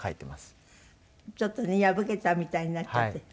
ちょっとね破けたみたいになっちゃって。